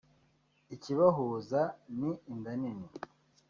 ikibahuza ni inda nini